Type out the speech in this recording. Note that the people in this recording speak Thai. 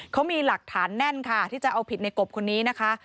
เขามีหลักฐานแน่นค่ะที่จะเอาผิดในกบคนนี้นะคะ